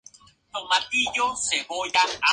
La fortaleza resultó atacada en numerosas ocasiones.